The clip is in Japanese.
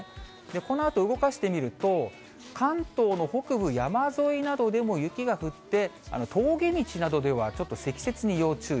このあと動かしてみると、関東の北部、山沿いなどでも雪が降って、峠道などではちょっと積雪に要注意。